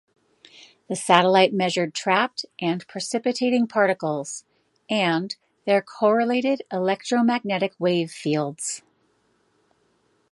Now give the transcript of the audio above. The satellite measured trapped and precipitating particles and their correlated electromagnetic wave fields.